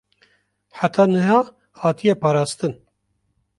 heta niha hatiye parastin